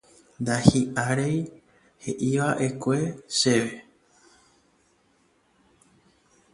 Ndahi'aréi he'iva'ekue chéve.